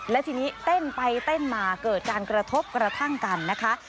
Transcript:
และทีนี้เต้นไปเต้นมาเกิดการกระทบกระทั่งกันนะคะ